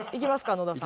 野田さん。